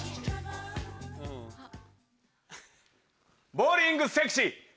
ボウリングセクシー！